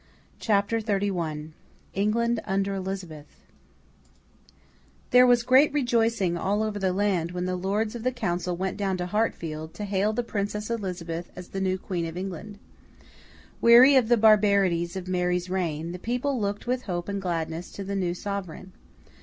CHAPTER XXXI ENGLAND UNDER ELIZABETH There was great rejoicing all over the land when the Lords of the Council went down to Hatfield, to hail the Princess Elizabeth as the new Queen of England. Weary of the barbarities of Mary's reign, the people looked with hope and gladness to the new Sovereign.